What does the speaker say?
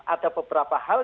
ada beberapa hal